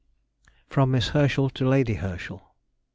_] FROM MISS HERSCHEL TO LADY HERSCHEL.